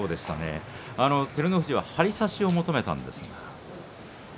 照ノ富士は張り差しを求めたんですね。